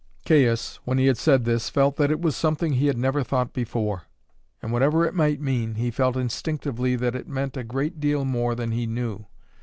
Caius, when he had said this, felt that it was something he had never thought before; and, whatever it might mean, he felt instinctively that it meant a great deal more than he knew.